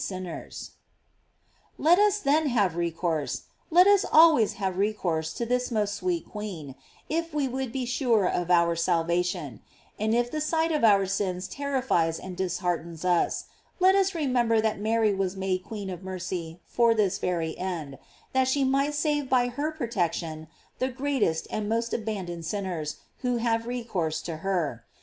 35 Let us then have recourse, let us always have recourse to this most sweet queen, if we would be sure of our salvation; and if the sight of our sins terrifies and disheartens us, 1st us remem ber that Mary was made queen of mercy for this very end, that she might save by her protection the greatest and most abandoned sinners who have recourse to her.